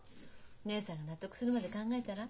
義姉さんが納得するまで考えたら？